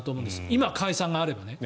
今、解散があれば。